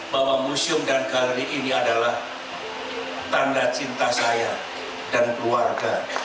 bahwa museum dan galeri ini adalah tanda cinta saya dan keluarga